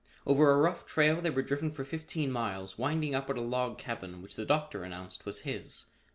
Over a rough trail they were driven for fifteen miles, winding up at a log cabin which the Doctor announced was his.